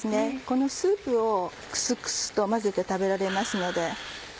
このスープをクスクスと混ぜて食べられますので。